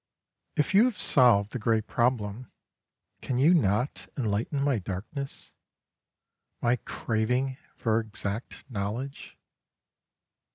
If you have solved the great problem, can you not enlighten my darkness, my craving for exact knowledge?